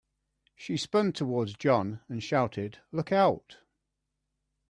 She spun towards John and shouted, "Look Out!"